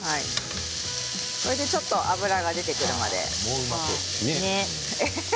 ちょっと脂が出てくるまで。